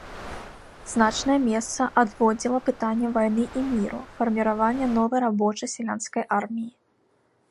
Значнае месца адводзіла пытанням вайны і міру, фарміравання новай рабоча-сялянскай арміі.